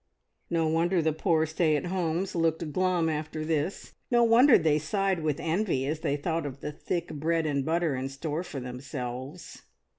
No wonder the poor stay at homes looked glum after this; no wonder they sighed with envy as they thought of the thick bread and butter in store for themselves.